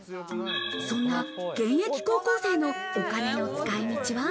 そんな現役高校生のお金の使い道は。